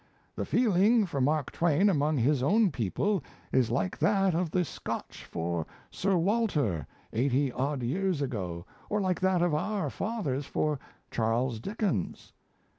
... The feeling for Mark Twain among his own people is like that of the Scotch for Sir Walter eighty odd years ago, or like that of our fathers for Charles Dickens.